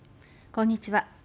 こんにちは。